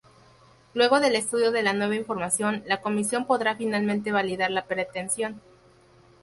Luego del estudio de la nueva información, la comisión podrá finalmente validar la pretensión.